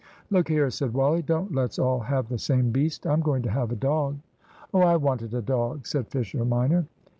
"Look here," said Wally, "don't let's all have the same beast. I'm going to have a dog." "Oh, I wanted a dog," said Fisher minor.